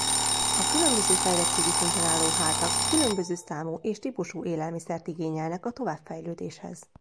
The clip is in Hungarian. A különböző fejlettségi szinten álló házak különböző számú és típusú élelmiszert igényelnek a továbbfejlődéshez.